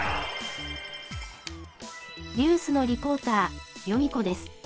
ニュースのリポーター、ヨミ子です。